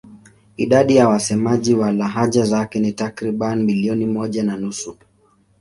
Idadi ya wasemaji wa lahaja zake ni takriban milioni moja na nusu.